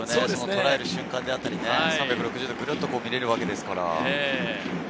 とらえる視点であったり３６０度ぐるっと見れるわけですから。